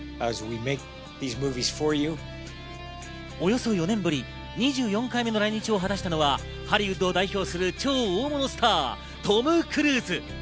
およそ４年ぶり、２４回目の来日を果たしたのは、ハリウッドを代表する超大物スター、トム・クルーズ。